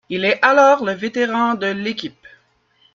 Il est alors le vétéran de l'équipe.